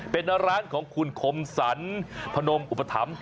เป็นร้านของคุณคมสรรพนมอุปถัมภ์